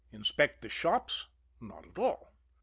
Inspect the shops? Not at all.